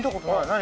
何？